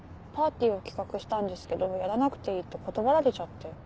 パーティーを企画したんですけどやらなくていいって断られちゃって。